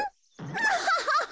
ハハハハ。